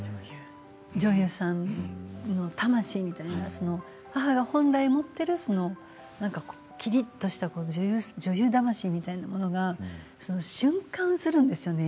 女優さんの魂みたいな母が本来持っているきりっとした女優魂みたいなものが瞬間するんですよね